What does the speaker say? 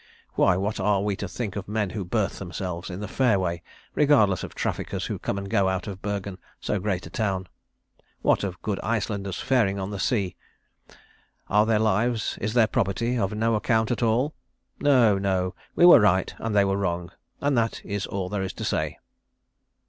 Why, what are we to think of men who berth themselves in the fairway, regardless of traffickers who come and go out of Bergen, so great a town? What of good Icelanders faring on the sea? Are their lives, is their property, of no account at all? No, no. We were right and they were wrong; and that is all there is to say."